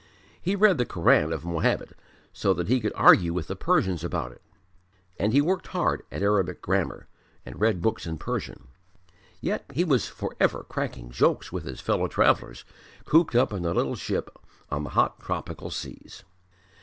He read the Koran of Mohammed so that he could argue with the Persians about it. And he worked hard at Arabic grammar, and read books in Persian. Yet he was for ever cracking jokes with his fellow travellers, cooped up in the little ship on the hot tropical seas.